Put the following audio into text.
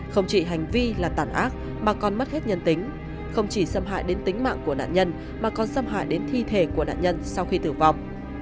không chỉ hành vi là tản ác mà còn mất hết nhân tính không chỉ xâm hại đến tính mạng của nạn nhân mà còn xâm hại đến thi thể của nạn nhân sau khi tử vong